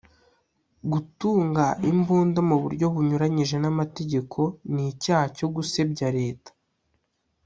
gutunga imbunda mu buryo bunyuranyije n’amategeko n’icyaha cyo gusebya Leta